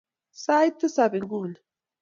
Sait tisap inguni.